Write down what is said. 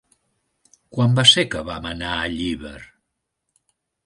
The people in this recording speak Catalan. Quan va ser que vam anar a Llíber?